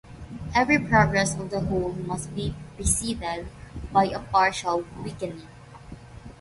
Every progress of the whole must be preceded by a partial weakening.